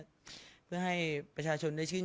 สงฆาตเจริญสงฆาตเจริญ